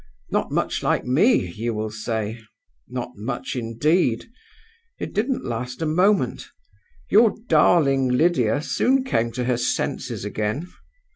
Not much like me, you will say. Not much, indeed! It didn't last a moment. Your darling Lydia soon came to her senses again.